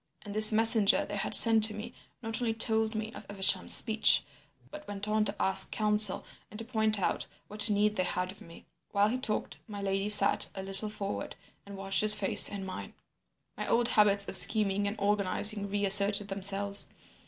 And this messenger they had sent to me not only told me of Evesham's speech, but went on to ask counsel and to point out what need they had of me. While he talked, my lady sat a little forward and watched his face and mine. "My old habits of scheming and organising reasserted themselves.